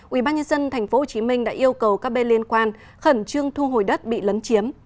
ubnd tp hcm đã yêu cầu các bên liên quan khẩn trương thu hồi đất bị lấn chiếm